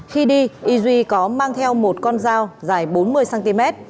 khi đi y duy có mang theo một con dao dài bốn mươi cm